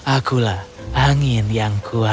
akulah angin yang kuat